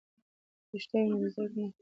که رښتیا وي نو زده کړه نه خرابیږي.